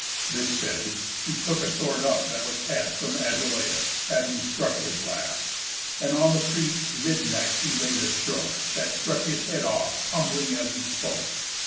This said, he took a sword up that was cast From Agelaus, having struck his last, And on the priest's mid neck he laid a stroke That struck his head off, tumbling as he spoke.